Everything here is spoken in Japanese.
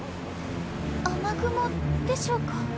雨雲でしょうか？